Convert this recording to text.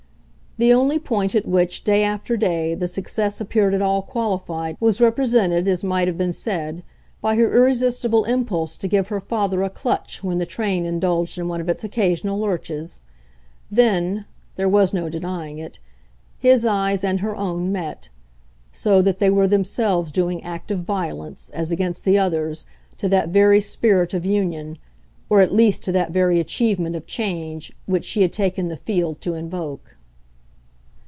The only point at which, day after day, the success appeared at all qualified was represented, as might have been said, by her irresistible impulse to give her father a clutch when the train indulged in one of its occasional lurches. Then there was no denying it his eyes and her own met; so that they were themselves doing active violence, as against the others, to that very spirit of union, or at least to that very achievement of change, which she had taken the field to invoke.